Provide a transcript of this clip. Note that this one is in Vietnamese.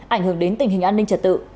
ảnh hưởng đến tình hình an ninh trật tự